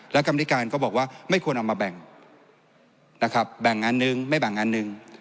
แล้วกรรมธิการก็บอกว่าไม่ควรเอามาแบ่งนะครับแบ่งงานหนึ่งไม่แบ่งงานหนึ่ง